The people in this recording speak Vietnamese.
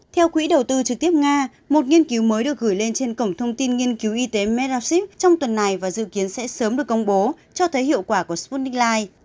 theo quỹ đầu tư trực tiếp nga một nghiên cứu mới được gửi lên trên cổng thông tin nghiên cứu y tế meraship trong tuần này và dự kiến sẽ sớm được công bố cho thấy hiệu quả của sputnik li